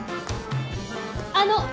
あの！